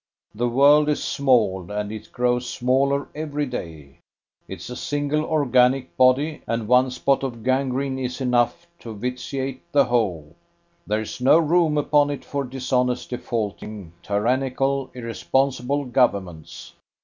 "The world is small, and it grows smaller every day. It's a single organic body, and one spot of gangrene is enough to vitiate the whole. There's no room upon it for dishonest, defaulting, tyrannical, irresponsible Governments.